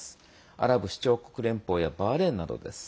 アラブ首長国連邦やバーレーンです。